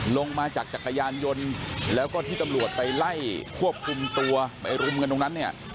ลงมาจากจักรยานยนต์แล้วก็ที่ตำรวจไปไล่ควบคุมตัวไปรุมกันตรงนั้นเนี่ย